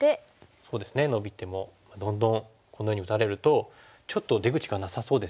そうですねノビてもどんどんこのように打たれるとちょっと出口がなさそうですよね。